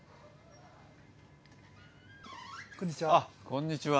こんにちは。